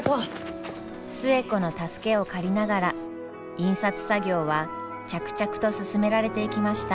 寿恵子の助けを借りながら印刷作業は着々と進められていきました。